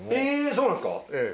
そうなんですか。